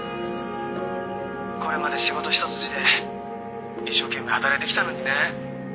「これまで仕事一筋で一生懸命働いてきたのにね」